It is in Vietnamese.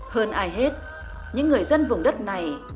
hơn ai hết những người dân vùng đất này